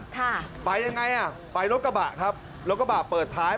ค่ะไปยังไงอ่ะไปรถกระบะครับรถกระบะเปิดท้าย